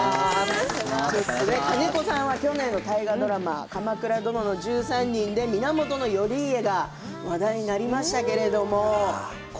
金子さんは去年大河ドラマ「鎌倉殿の１３人」で源頼家が話題になりましたね。